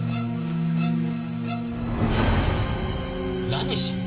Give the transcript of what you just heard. ラニシン？